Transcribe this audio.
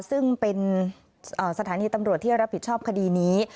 ซึ่งเป็นสถานีตำรวจที่รับผิดชอบคดีนี้